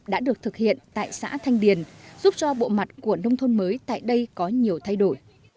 đã được thực hiện tại xã thanh điền giúp cho bộ mặt của nông thôn mới tại đây có nhiều thay đổi